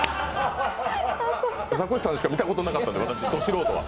ザコシさんしか見たことなかった、ド素人は。